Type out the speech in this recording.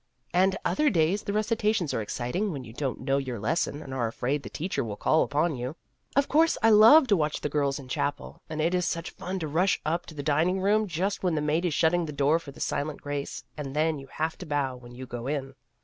And other days the recitations are exciting when you don't know your lesson and are afraid the teacher will call upon you. Of course I love to watch the girls in chapel, and it is such fun to rush up to the dining room just when the maid is shutting the door for the silent grace, and then you have to bow when you go in.